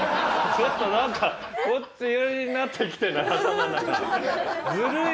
ちょっとなんかこっち寄りになってきてない？